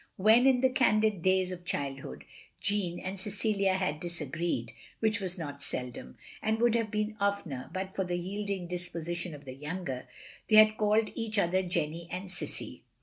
When, in the candid days of childhood, Jeanne and Cecilia had disagreed — ^which was not seldom, and would have been oftener but for the yielding disposition of the younger — ^they had called each other Jenny and Cissie.